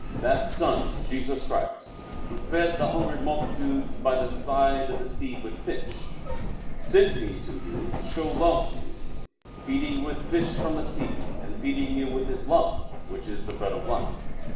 That Son, Jesus Christ, Who fed the hungry multitudes by the side of the sea with fish, sent me to you to show love to you, feeding you with fish from the sea, and feeding you with His love, which is the Bread of Life."